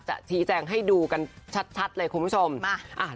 ชี้แจงให้ดูกันชัดเลยคุณผู้ชม